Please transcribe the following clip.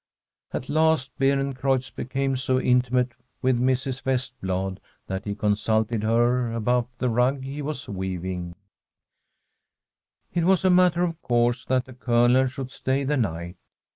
At last Beer encreutz became so intimate with Mrs. Vestblad that he consulted her about the rug he was weav ing. It was a matter of course that the Colonel should stay the night.